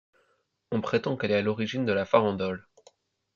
On prétend qu'elle est à l'origine de la farandole.